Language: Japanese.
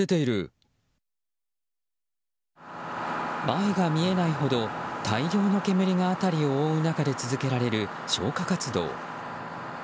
前が見えないほど大量の煙が辺りを覆う中で続けられる消火活動。